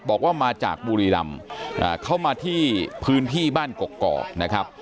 บอกว่ามาจากบุรีรำเข้ามาที่พื้นที่บ้านกกอกนะครับ